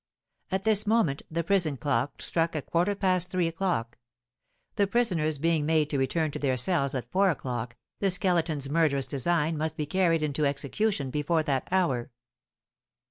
At this moment the prison clock struck a quarter past three o'clock. The prisoners being made to return to their cells at four o'clock, the Skeleton's murderous design must be carried into execution before that hour.